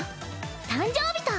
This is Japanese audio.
誕生日と。